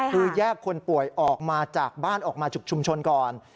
คือแยกคนป่วยออกมาจากบ้านออกมาจุกชุมชนก่อน